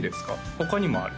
他にもある？